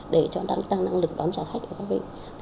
để cho nó tăng năng lực đón trả khách ở các vịnh